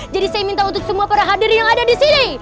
jadi saya minta untuk semua para hadir yang ada disini